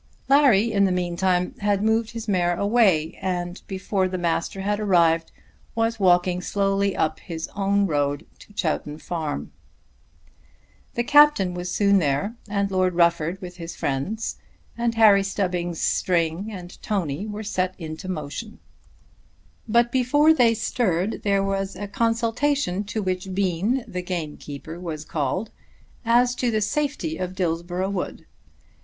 Larry in the meantime had moved his mare away, and before the Master had arrived, was walking slowly up his own road to Chowton Farm. The Captain was soon there, and Lord Rufford with his friends, and Harry Stubbings' string, and Tony were set in motion. But before they stirred there was a consultation, to which Bean the gamekeeper was called, as to the safety of Dillsborough Wood.